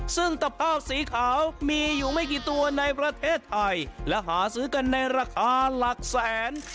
ซึ่งตะภาพสีขาวมีอยู่ไม่กี่ตัวในประเทศไทยและหาซื้อกันในราคาหลักแสน